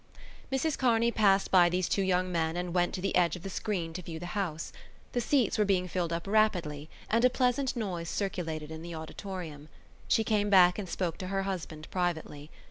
Mrs Kearney passed by these two young men and went to the edge of the screen to view the house. The seats were being filled up rapidly and a pleasant noise circulated in the auditorium. She came back and spoke to her husband privately.